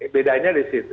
bedanya di situ